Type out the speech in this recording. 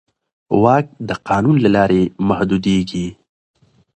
واک د قانون له لارې محدودېږي.